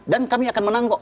dan kami akan menang kok